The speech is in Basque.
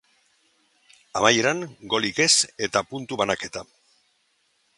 Amaieran, golik ez eta puntu banaketa.